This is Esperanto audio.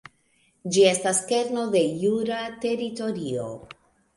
Ĝi estas kerno de jura teritorio.